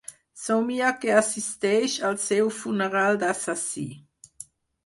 Somia que assisteix al seu funeral d'assassí.